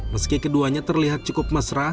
meski keduanya terlihat cukup mesra